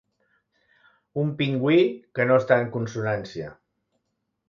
Un pingüí que no està en consonància.